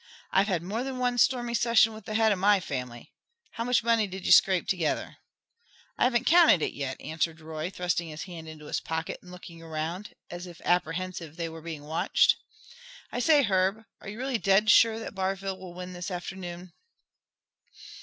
I've had more than one stormy session with the head of my family. How much money did you scrape together?" "I haven't counted it yet," answered Roy, thrusting his hand into his pocket and looking around, as if apprehensive that they were being watched. "I say, Herb, are you really dead sure that Barville will win this afternoon?"